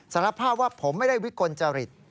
สารภาพว่าผมไม่ได้วิกลจริต